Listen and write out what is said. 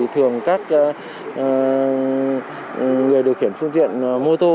thường các người điều khiển phương tiện mô tô